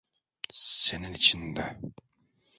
Senin için de.